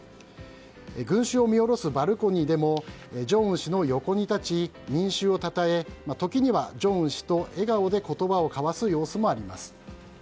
群衆を見下ろすバルコニーでも正恩氏の横に立ち民衆をたたえ時には正恩氏と笑顔で言葉を交わす様子もあります。